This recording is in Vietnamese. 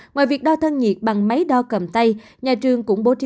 ngoài việc đo thân nhiệt bằng máy đo cầm tay nhà trường cũng bố trí